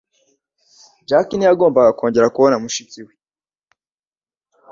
Jack ntiyagombaga kongera kubona mushiki we.